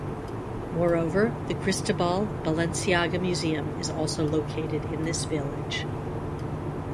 Moreover, the Cristobal Balenciaga Museum is also located in this village.